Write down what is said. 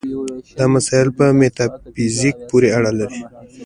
دا مسایل په میتافیزیک پورې اړه لري.